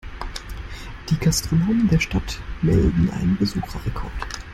Die Gastronomen der Stadt melden einen Besucherrekord.